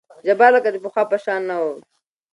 جبار لکه د پخوا په شان نه وو.